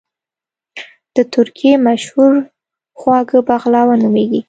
د ترکی مشهور خواږه بغلاوه نوميږي